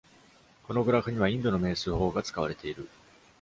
「このグラフにはインドの命数法が使われている」